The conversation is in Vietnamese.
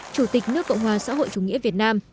chủ tịch nước cộng hòa xã hội chủ nghĩa việt nam